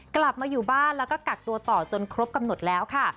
กลับมาอยู่บ้านแล้วก็กักตัวต่อจนครบกำหนดแล้วค่ะ